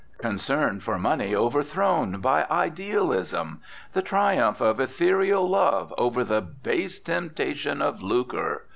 Concern for money overthrown by idealism! The triumph of ethereal love over the base temptation of lucre!